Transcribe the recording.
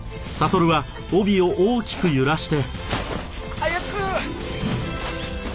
早く！